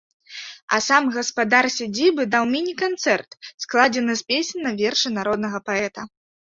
А сам гаспадар сядзібы даў міні-канцэрт, складзены з песень на вершы народнага паэта.